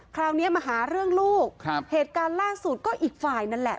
คราวนี้มาหาเรื่องลูกครับเหตุการณ์ล่าสุดก็อีกฝ่ายนั่นแหละ